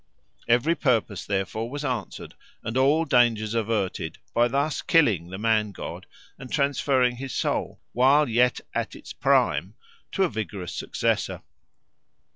Every purpose, therefore, was answered, and all dangers averted by thus killing the man god and transferring his soul, while yet at its prime, to a vigorous successor.